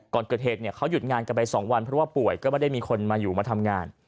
ก่อนเกิดเหตุเขาหยุดงานกันไป๒วันเพราะว่าป่วยก็ไม่ได้มีคนมาอยู่มาทำงาน